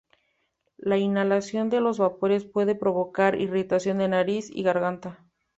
La inhalación de los vapores puede provocar irritación de nariz y garganta.